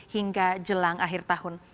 hingga jelang akhir tahun